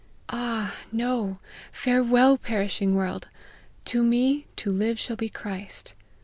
Ah ! no, farewell, perishing world ! 4 To me, to live shall be Christ.'